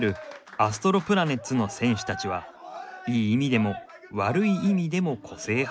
アストロプラネッツの選手たちはいい意味でも悪い意味でも個性派ぞろい。